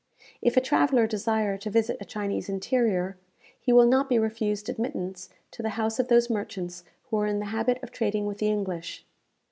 If a traveller desire to visit a Chinese interior, he will not be refused admittance to the houses of those merchants who are in the habit of trading with the English.